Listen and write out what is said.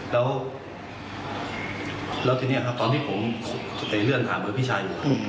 แล้วทีนี้ครับตอนที่ผมเรื่องถามเมื่อพี่ชัย